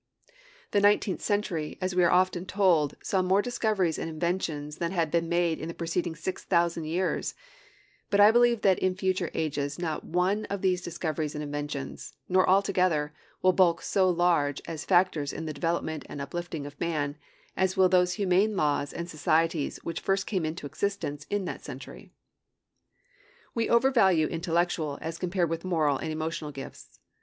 The nineteenth century, as we are often told, saw more discoveries and inventions than had been made in the preceding six thousand years; but I believe that in future ages not one of those discoveries and inventions, nor all together, will bulk so large as factors in the development and uplifting of man, as will those humane laws and societies which first came into existence in that century. We overvalue intellectual as compared with moral and emotional gifts.